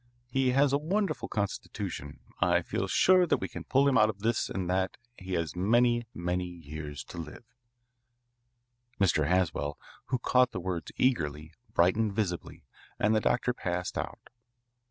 "He has a wonderful constitution. I feel sure that we can pull him out of this and that he has many, many years to live." Mr. Haswell, who caught the words eagerly, brightened visibly, and the doctor passed out.